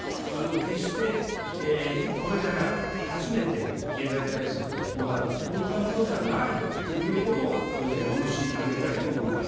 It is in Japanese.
決してこれから初めて経済対策を行う、こういったものではないということを申し上げたいと思います。